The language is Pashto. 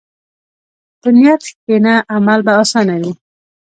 په نیت کښېنه، عمل به اسانه وي.